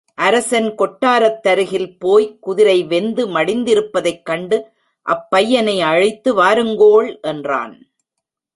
அரசன் கொட்டாரத்தருகில் போய் குதிரை வெந்து மடிந்திருப்பதைக் கண்டு அப்பையனை அழைத்து வாருங்கோள் என்றான்.